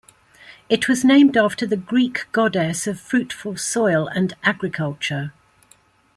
It was named after the Greek goddess of fruitful soil and agriculture.